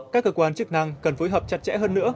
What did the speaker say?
các cơ quan chức năng cần phối hợp chặt chẽ hơn nữa